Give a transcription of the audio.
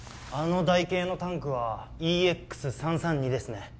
あの台形のタンクはＥＸ３３２ですね